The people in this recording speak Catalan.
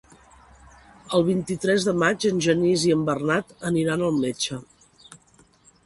El vint-i-tres de maig en Genís i en Bernat aniran al metge.